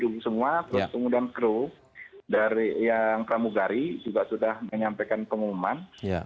pesawat dan crew dari yang pramugari juga sudah menyampaikan pengumuman